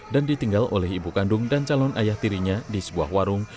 dan ditinggal oleh ibu kandung dan calon ayah tirinya di sebuah warung